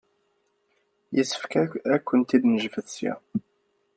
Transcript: Yessefk ad kent-id-nejbed ssya.